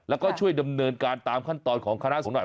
แล้วก็ช่วยดำเนินการตามขั้นตอนของคณะสงฆ์หน่อย